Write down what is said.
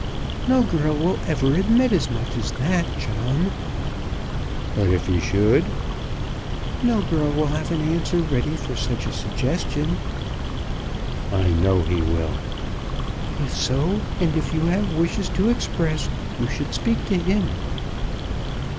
"No girl will ever admit as much as that, John." "But if he should?" "No girl will have an answer ready for such a suggestion." "I know he will." "If so, and if you have wishes to express, you should speak to him."